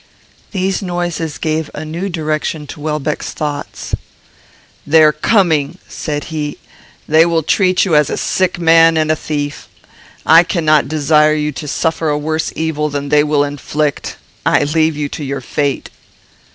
These noises gave a new direction to Welbeck's thoughts. "They are coming," said he. "They will treat you as a sick man and a thief. I cannot desire you to suffer a worse evil than they will inflict. I leave you to your fate."